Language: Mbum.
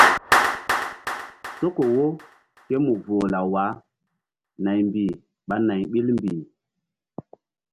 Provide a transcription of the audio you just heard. Soko wo ké mu voh law wah naymbih ɓa nay ɓil mbih.